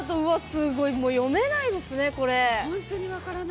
すごい、読めないですね、これ。